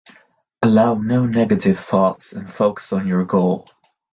Allow no negative thoughts, and focus on your goal.